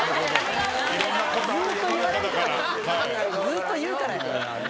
ずっと言うからよ。